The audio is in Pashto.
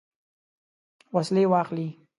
وسلې واخلي.